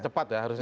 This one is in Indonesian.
cepat ya harusnya